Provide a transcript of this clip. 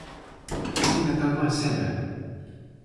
sina tan ma seme?